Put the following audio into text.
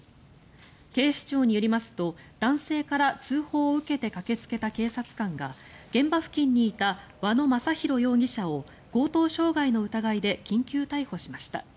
警視庁によりますと男性から通報を受けて駆けつけた警察官が現場付近にいた和野正弘容疑者を強盗傷害の疑いで緊急逮捕しました。